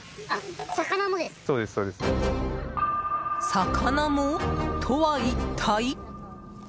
「魚も」とは一体？